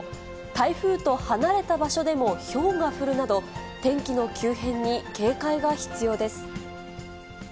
台風と離れた場所でもひょうが降るなど、天気の急変に警戒が必要です。